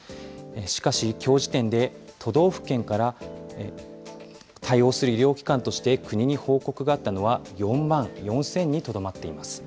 しかしきょう時点で都道府県から対応する医療機関として国に報告があったのは４万４０００にとどまっています。